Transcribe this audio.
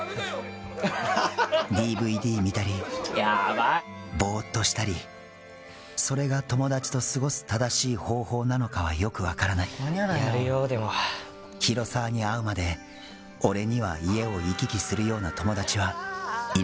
ＤＶＤ見たりボーッとしたりそれが友達と過ごす正しい方法なのかはよく分からない広沢に会うまで俺には家を行き来するような友達はいなかったんだ